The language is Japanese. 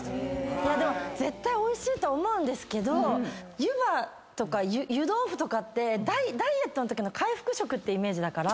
いやでも絶対おいしいと思うんですけど湯葉とか湯豆腐とかってダイエットのときの回復食ってイメージだから。